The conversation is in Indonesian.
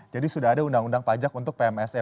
jadi sudah ada undang undang pajak untuk pmse